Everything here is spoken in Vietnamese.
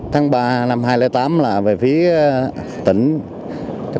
tháng ba năm hai nghìn tám là về phía tỉnh